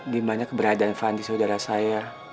dimana keberadaan fandi saudara saya